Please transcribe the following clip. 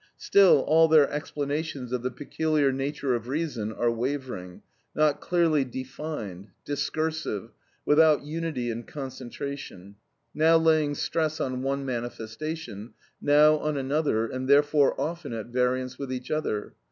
Still all their explanations of the peculiar nature of reason are wavering, not clearly defined, discursive, without unity and concentration; now laying stress on one manifestation, now on another, and therefore often at variance with each other.